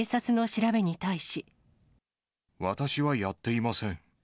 私はやっていません。